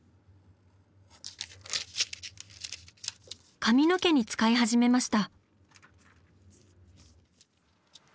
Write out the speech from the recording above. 髪の毛に使い始めました！